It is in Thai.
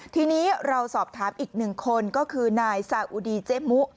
ทีนี้เราสอบถามอีกหนึ่งคนก็คือนายซาอุดีเจ๊มุ